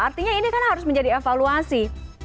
artinya ini kan harus menjadi evaluasi